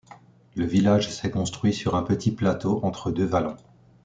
Le village s'est construit sur un petit plateau, entre deux vallons.